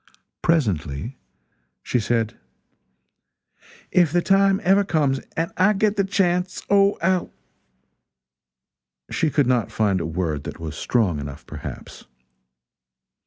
Presently she said: "If the time ever comes, and I get a chance, Oh, I'll " She could not find a word that was strong enough, perhaps.